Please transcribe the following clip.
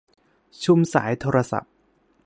ชุมสายโทรศัพท์